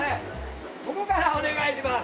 ここからお願いします。